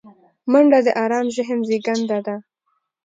منډه د آرام ذهن زیږنده ده